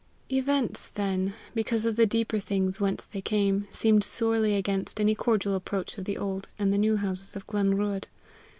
Events, then, because of the deeper things whence they came, seemed sorely against any cordial approach of the old and the new houses of Glenruadh.